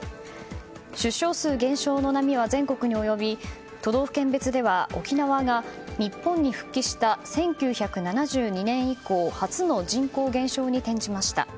出生数減少の波は全国に及び都道府県別では沖縄が日本に復帰した１９７２年以降初の人口減少に転じました。